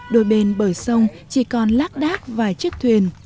đôi bên bờ sông chỉ còn lác đác vài chiếc thuyền